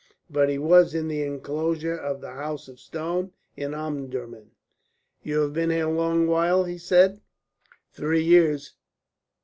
But he was in the enclosure of the House of Stone in Omdurman. "You have been here a long while," he said. "Three years."